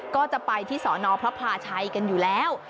ก็จะไปที่สอนอพระพลาชัยกันอยู่แล้ว